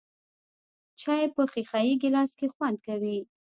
چای په ښیښه یې ګیلاس کې خوند کوي .